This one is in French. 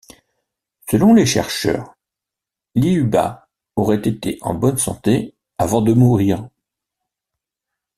Selon les chercheurs, Lyuba aurait été en bonne santé avant de mourir.